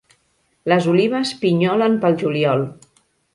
Les olives pinyolen pel juliol.